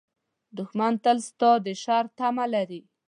دښمن تل ستا د شر تمه لري